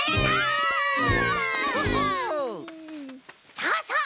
さあさあ